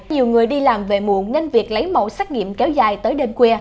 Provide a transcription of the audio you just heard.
nhiều người đi làm về muộn nên việc lấy mẫu xét nghiệm kéo dài tới đêm khuya